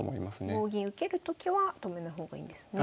棒銀受けるときは止めない方がいいんですね。